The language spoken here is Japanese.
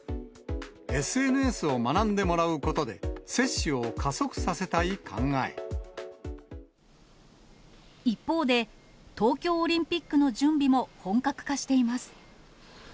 ＳＮＳを学んでもらうことで、一方で、東京オリンピックの準備も本格化しています。